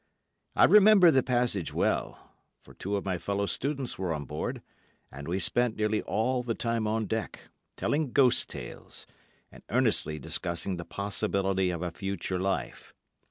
I remember the passage well, for two of my fellow students were on board, and we spent nearly all the time on deck, telling ghost tales, and earnestly discussing the possibility of a future life.